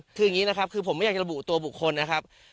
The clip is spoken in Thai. คืออย่างนี้นะครับคือผมไม่อยากจะระบุตัวบุคคลนะครับ